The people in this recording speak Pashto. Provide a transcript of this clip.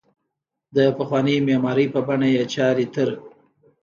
د پخوانۍ معمارۍ په بڼه یې چارې تر